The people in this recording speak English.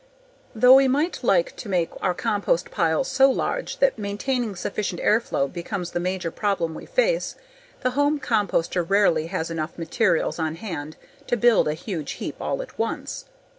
Though we might like to make our compost piles so large that maintaining sufficient airflow becomes the major problem we face, the home composter rarely has enough materials on hand to build a huge heap all at once.